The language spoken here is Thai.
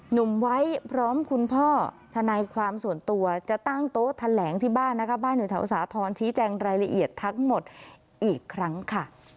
หนุ่มไวท์พร้อมคุณพ่อ